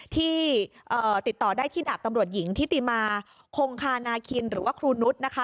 ที่ติดต่อได้ที่ดาบตำรวจหญิงทิติมาคงคานาคินหรือว่าครูนุษย์นะคะ